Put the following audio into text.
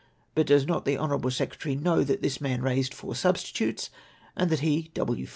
But does not the honourable secretary know that this man raised four suhstitutes, and that he (W.